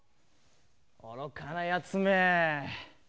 おろかなやつめ。